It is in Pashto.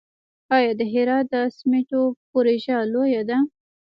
آیا د هرات د سمنټو پروژه لویه ده؟